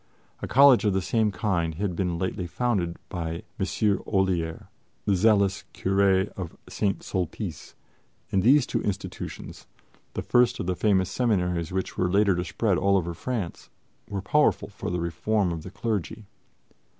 A college of the same kind had been lately founded by M. Olier, the zealous curé of St. Sulpice; and these two institutions, the first of the famous seminaries which were later to spread all over France, were powerful for the reform of the clergy.